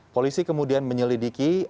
polisi kemudian menyelidiki